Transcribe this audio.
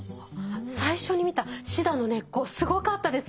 最初に見たシダの根っこすごかったです。